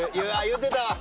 言うてたわ。